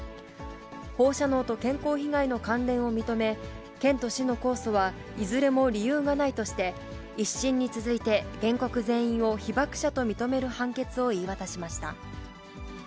放射能と健康被害の関連を認め、県と市の控訴はいずれも理由がないとして、１審に続いて原則、全員を被爆者と認める判決を言い渡しました。